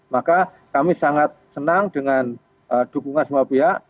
maka kami sangat senang dengan dukungan semua pihak